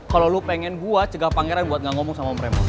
kalo lu pengen gue cegah pangeran buat ga ngomong sama om raymond